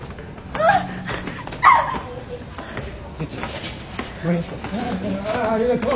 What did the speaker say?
ああありがとう。